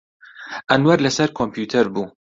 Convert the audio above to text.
ئەنوەر لەسەر کۆمپیوتەر بوو.